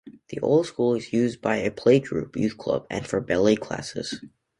The old school is used by a playgroup youth club and for ballet classes.